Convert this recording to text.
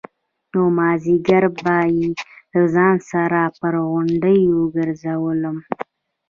نو مازديگر به يې له ځان سره پر غونډيو گرځولم.